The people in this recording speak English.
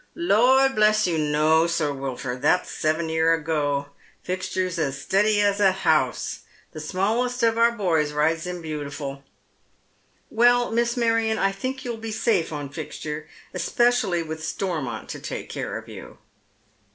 " Lor, bless you, no. Sir Wilford, that's seven year ago. Fix ture's as steady as a house. The smallest of our boys rides him beautiful." " Well, Miss Marion, I think you'll be safe on Fixture, especially with Stormont to take care of you."